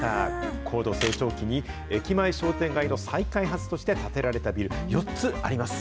高度成長期に、駅前商店街の再開発として建てられたビル、４つあります。